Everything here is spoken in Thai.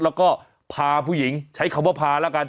แล้วก็พาผู้หญิงใช้คำว่าพาแล้วกัน